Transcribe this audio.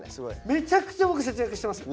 めちゃくちゃ僕節約してます。